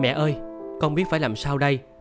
mẹ ơi con biết phải làm sao đây